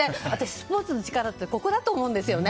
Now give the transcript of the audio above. スポーツの力ってここだと思うんですよね。